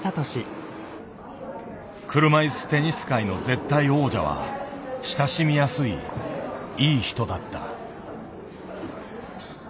車いすテニス界の絶対王者は親しみやすいいい人だった。